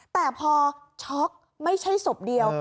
แต่พอช็อกไม่ใช่ศพเดียว